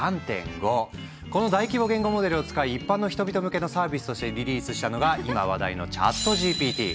この大規模言語モデルを使い一般の人々向けのサービスとしてリリースしたのが今話題のＣｈａｔＧＰＴ。